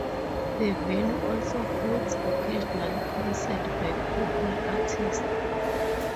The venue also hosts occasional concerts by popular artists.